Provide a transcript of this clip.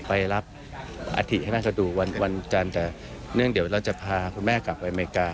ไปรับอธิให้นั่งกระดูกวันจันทร์เดี๋ยวเราจะพาคุณแม่กลับไปอเมริกา